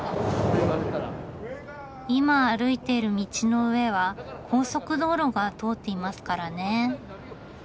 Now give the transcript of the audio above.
今歩いている道の上は高速道路が通っていますからね。